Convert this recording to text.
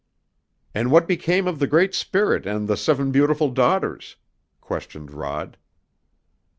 "And what became of the Great Spirit and the seven beautiful daughters?" questioned Rod.